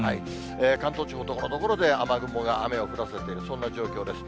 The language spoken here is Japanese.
関東地方、ところどころで雨雲が雨を降らせている、そんな状況です。